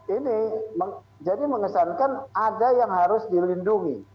ini jadi mengesankan ada yang harus dilindungi